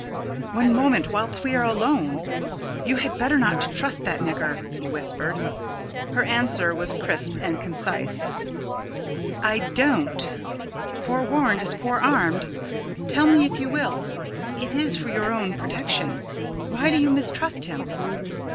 "One moment whilst we are alone. You had better not trust that nigger!" he whispered. Her answer was crisp and concise: "I don't." "Forewarned is forearmed. Tell me if you will it is for your own protection. Why do you mistrust him?"